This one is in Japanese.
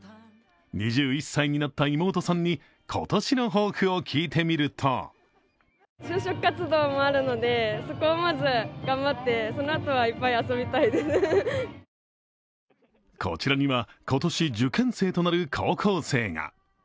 ２１歳になった妹さんに、今年の抱負を聞いてみるとこちらには今年、受験生となる高校生が。